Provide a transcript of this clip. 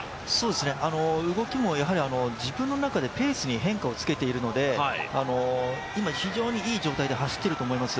動きも自分の中でペースに変化をつけているので、今、非常にいい状態で走っていると思います。